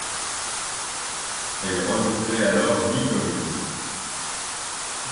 Elle regroupait alors huit communes.